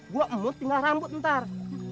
gue emut tinggal rambut ntar